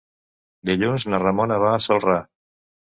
Dilluns na Ramona va a Celrà.